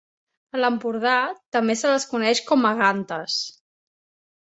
A l'Empordà, també se les coneix com a gantes.